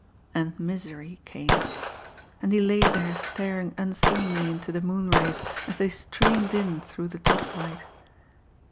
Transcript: And misery came. And he lay there staring unseeingly into the moonrays as they streamed in through the top light.